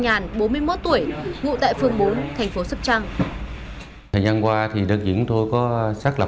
nhàn bốn mươi một tuổi ngụ tại phường bốn thành phố sóc trăng thời gian qua thì đơn vị chúng tôi có xác lập